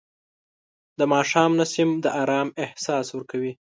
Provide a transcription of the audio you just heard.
د ماښام نسیم د آرام احساس ورکوي